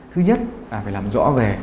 thứ nhất là phải làm rõ về